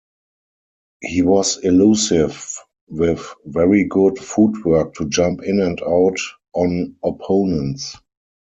He was elusive with very good footwork to jump in and out on opponents.